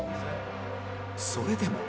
それでも